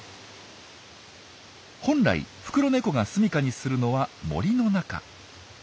本来フクロネコが住みかにするのは森の中。